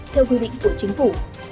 theo quy định của chính phủ